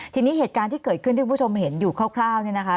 ทีนี้เหตุการณ์ที่เกิดขึ้นที่คุณผู้ชมเห็นอยู่คร่าวเนี่ยนะคะ